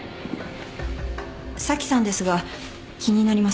紗季さんですが気になります。